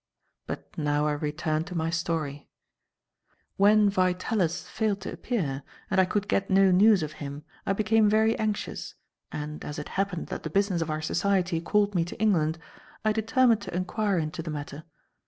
But now I return to my story. "When Vitalis failed to appear, and I could get no news of him, I became very anxious; and, as it happened that the business of our Society called me to England, I determined to inquire into the matter.